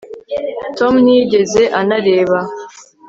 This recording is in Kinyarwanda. tom ntiyigeze anareba